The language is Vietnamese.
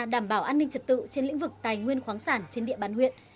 đảm bảo an ninh trật tự trên lĩnh vực tài nguyên khoáng sản trên địa bàn huyện